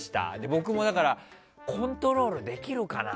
僕もコントロールできるかな。